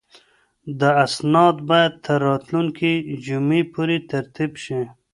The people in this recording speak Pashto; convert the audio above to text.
دا اسناد باید تر راتلونکې جمعې پورې ترتیب شي.